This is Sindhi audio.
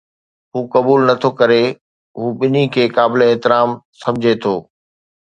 هو قبول نه ٿو ڪري، هو ٻنهي کي قابل احترام سمجهي ٿو